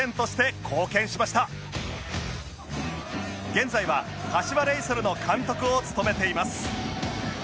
現在は柏レイソルの監督を務めています